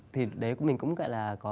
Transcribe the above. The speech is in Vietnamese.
thì đấy mình cũng gọi là